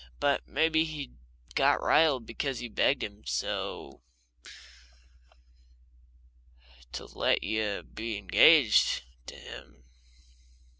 But maybe he got riled because you begged him so to let you be engaged to him.